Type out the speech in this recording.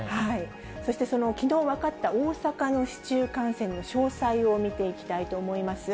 そして、きのう分かった大阪の市中感染の詳細を見ていきたいと思います。